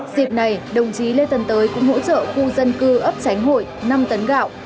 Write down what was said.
dịp này đồng chí lê tân tới cũng hỗ trợ khu dân cư ấp tránh hội năm tấn gạo